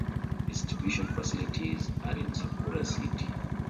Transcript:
Distribution facilities are in Sakura City.